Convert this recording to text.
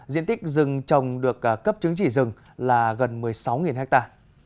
diện tích rừng trồng được cấp chứng chỉ rừng là gần một mươi sáu ha